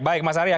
baik mas arya